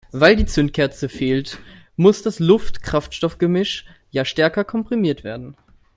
Weil die Zündkerze fehlt, muss das Luft-Kraftstoff-Gemisch ja stärker komprimiert werden.